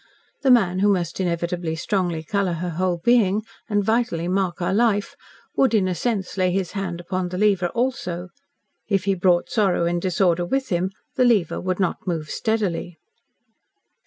The man who must inevitably strongly colour her whole being, and vitally mark her life, would, in a sense, lay his hand upon the lever also. If he brought sorrow and disorder with him, the lever would not move steadily.